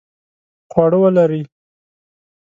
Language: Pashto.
خواړه ولړئ